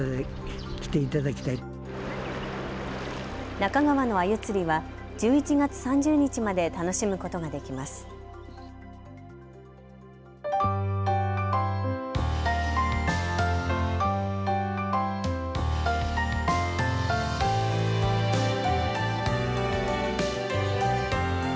那珂川のあゆ釣りは１１月３０日まで楽しむことができます。